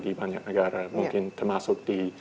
di banyak negara mungkin termasuk di